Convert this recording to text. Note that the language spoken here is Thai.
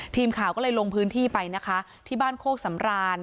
ทีมข่าวก็เลยลงพื้นที่ไปนะคะที่บ้านโคกสำราน